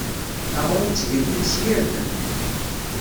Aɣrum ttgen-t-id s yirden.